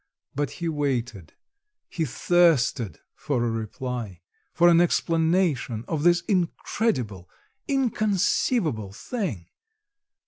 but he waited, he thirsted for a reply, for an explanation of this incredible, inconceivable thing.